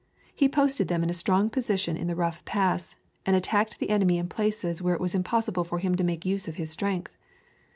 He posted them in a strong position in the rough pass, and attacked the enemy in places where it was impossible for him to make use of his strength.